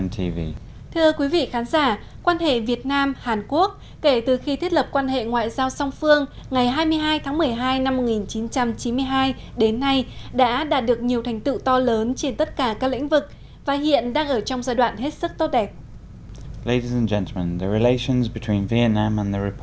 thưa quý vị khán giả quan hệ việt nam hàn quốc kể từ khi thiết lập quan hệ ngoại giao song phương ngày hai mươi hai tháng một mươi hai năm một nghìn chín trăm chín mươi hai đến nay đã đạt được nhiều thành tựu to lớn trên tất cả các lĩnh vực và hiện đang ở trong giai đoạn hết sức tốt đẹp